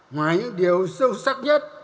ngoài những điều sâu sắc nhất